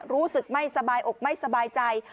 รู้สึกไม่สบายอกไม่สบายใจ